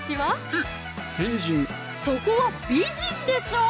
えっ変人そこは美人でしょう！